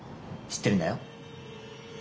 知ってるんだよ。